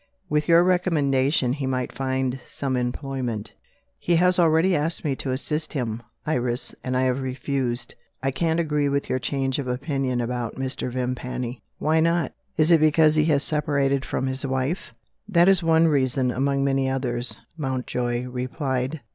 With your recommendation he might find some employment." "He has already asked me to assist him, Iris; and I have refused. I can't agree with your change of opinion about Mr. Vimpany." "Why not? Is it because he has separated from his wife?" "That is one reason, among many others," Mountjoy replied.